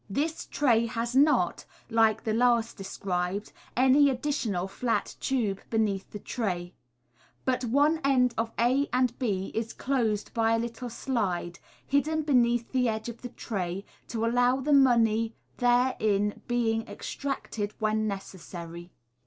This tray has not, like that last described, anv additional flat tube beneath the tray, but one end of a and b is clo ed by a little slide, hidden beneath the tc\ge of the tray, to allow of the money therein being extracted when necessary.